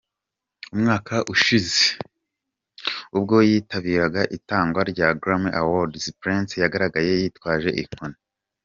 Umwaka ushize, ubwo yitabiraga itangwa rya Grammy Awards, Prince yagaragaye yitwaje inkoni.